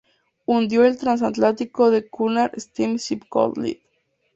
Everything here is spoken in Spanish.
Hundió el trasatlántico de la Cunard Steam-Ship Co., Ltd.